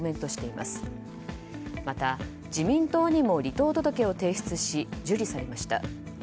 また、自民党にも離党届を提出し受理されました。